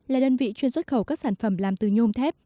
là đơn vị chuyên xuất khẩu các sản phẩm làm từ nhôm thép